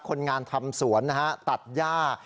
คนงานทำสวนนะฮะตัดย่า